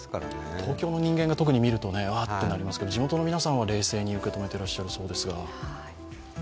東京の人間が見ると「あっ」となりますけど、地元の皆さんは冷静に受け止めてらっしゃるそうですが。